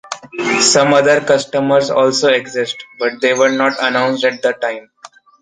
Some other customers also exist, but they were not announced at the time.